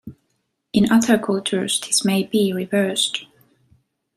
In other cultures, this may be reversed.